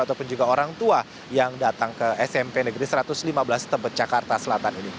ataupun juga orang tua yang datang ke smp negeri satu ratus lima belas tebet jakarta selatan ini